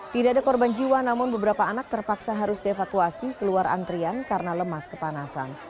tidak ada korban jiwa namun beberapa anak terpaksa harus dievakuasi keluar antrian karena lemas kepanasan